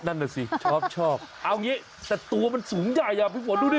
นั่นน่ะสิชอบเอาอย่างนี้แต่ตัวมันสูงใหญ่ฟริฟร์ดูดิ